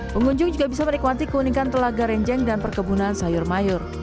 pengunjung juga bisa menikmati keunikan telaga renjeng dan perkebunan sayur mayur